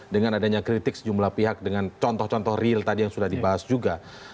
dengan adanya kritik sejumlah pihak dengan contoh contoh real tadi yang sudah dibahas juga